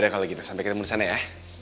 kalau gitu sampai ketemu di sana ya